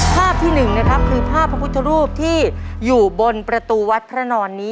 ภาพที่๑นะครับคือภาพพระพุทธรูปที่อยู่บนประตูวัดท่าน